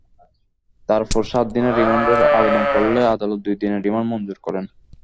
তারপর সাত দিনের রিমান্ডের আবেদন করলে আদালত দুই দিনের রিমান্ড মঞ্জুর করেন।